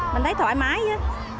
mình thấy thoải mái chứ